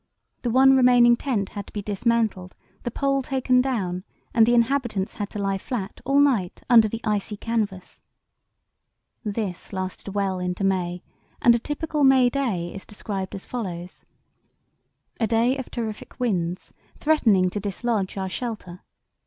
The one remaining tent had to be dismantled, the pole taken down, and the inhabitants had to lie flat all night under the icy canvas. This lasted well into May, and a typical May day is described as follows: "A day of terrific winds, threatening to dislodge our shelter.